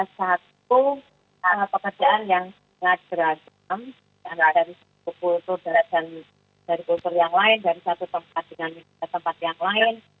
satu pekerjaan yang tidak beragam dari satu kultur yang lain dari satu tempat dengan tempat yang lain